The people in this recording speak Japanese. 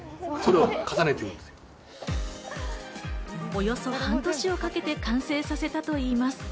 およそ半年をかけて完成させたといいます。